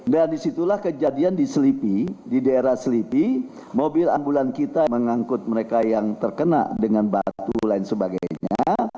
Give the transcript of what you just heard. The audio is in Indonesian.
dan disitulah kejadian di selipi di daerah selipi mobil ambulan kita mengangkut mereka yang terkena dengan batu lain sebagainya